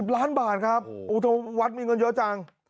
ล้านบาทครับโอ้โหวัดมีเงินเยอะจัง